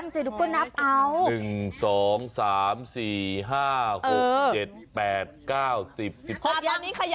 นับไม่ทวนอยู่ดี